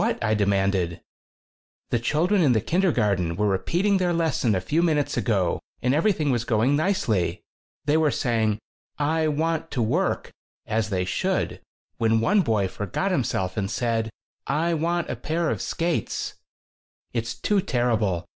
I demanded. 14 "The children in the kindergarten were repeating their lesson a few minutes ago and everything was going nicely. They were saying 'I want to work' as they should when one boy forgot himself and said: 'I want a pair of skates!' It's too terrible!